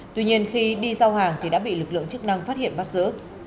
tuy nhiên khi đi giao hàng thì đã bị lực lượng chức năng phát hiện bắt giữ